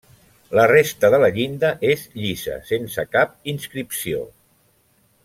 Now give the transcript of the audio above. La resta de la llinda és llisa sense cap inscripció.